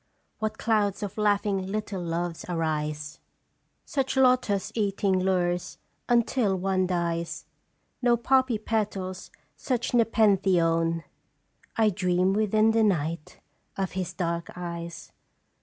What clouds of laughing little Loves arise ! "Such lotos eating lures until one dies, No poppy petals such nepenthe own ; I dream within the night of his dark eyes.